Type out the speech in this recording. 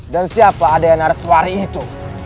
dan siapa adiana reswari itu